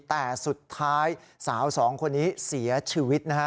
แต่สุดท้ายสาวสองคนนี้เสียชีวิตนะฮะ